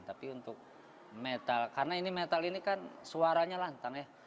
tapi untuk metal karena ini metal ini kan suaranya lantang ya